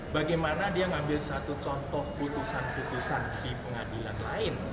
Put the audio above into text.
bagaimana dia ngambil satu contoh putusan putusan di pengadilan lain